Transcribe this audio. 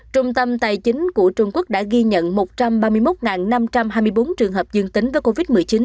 trung tâm tài chính của trung quốc đã ghi nhận một trăm ba mươi một năm trăm hai mươi bốn trường hợp dương tính với covid một mươi chín